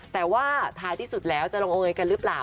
แต่ว่าท้ายที่สุดแล้วจะลงเอยกันหรือเปล่า